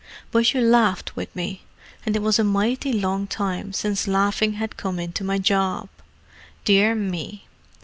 But you laughed with me; and it was a mighty long time since laughing had come into my job. Dear me!"